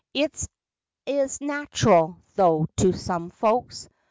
It is nat'ral, tho', to some folks.